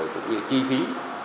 và cũng như chi phí